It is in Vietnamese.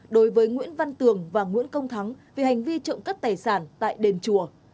đối với nguyễn văn tường và nguyễn công thắng về hành vi trộm cắt tài sản tại đền chùa